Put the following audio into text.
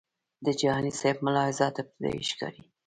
د جهانی سیب ملاحظات ابتدایي ښکاري.